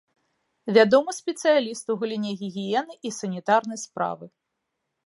Вядомы спецыяліст у галіне гігіены і санітарнай справы.